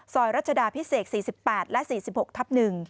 รัชดาพิเศษ๔๘และ๔๖ทับ๑